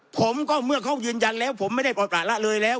ผมก็เมื่อเขายืนยันแล้วผมไม่ได้ปล่อยประละเลยแล้ว